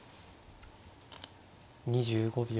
２５秒。